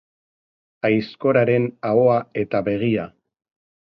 Aizkoraren ahoa eta begia.